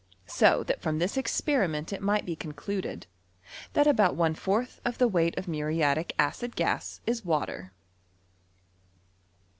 So that from this experiment it migbt be concluded, that about one fourth of the weight of muriatic acid gas is water.